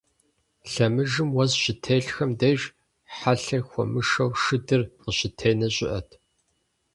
Лъэмыжым уэс щытелъхэм деж, хьэлъэр хуэмышэу, шыдыр къыщытенэ щыӀэт.